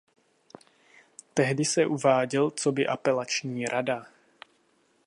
Tehdy se uváděl coby apelační rada.